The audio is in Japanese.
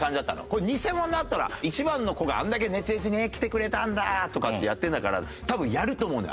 これニセモノだったら１番の子があれだけ熱烈に「来てくれたんだ！」とかってやってるんだから多分やると思うんだよ